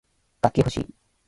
楽器ほしい